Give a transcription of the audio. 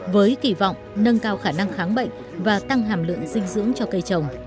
với kỳ vọng nâng cao khả năng kháng bệnh và tăng hàm lượng dinh dưỡng cho cây trồng